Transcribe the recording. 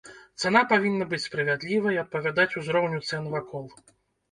Цана павінна быць справядлівай, адпавядаць узроўню цэн вакол.